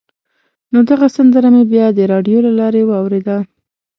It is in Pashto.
نو دغه سندره مې بیا د راډیو له لارې واورېده.